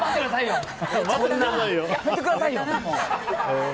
やめてくださいよ！